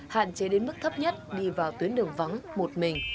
hạn chế đến mức thấp nhất đi vào tuyến đường vắng một mình